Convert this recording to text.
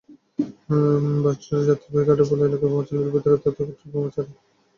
বাসটি যাত্রাবাড়ীর কাঠেরপুল এলাকায় পৌঁছালে দুর্বৃত্তরা তাতে পেট্রল বোমা ছুড়ে মারে।